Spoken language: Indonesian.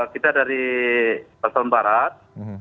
kita dari pasaman barat